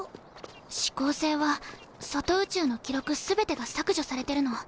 四煌星は外宇宙の記録全てが削除されてるの。